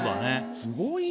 すごいな。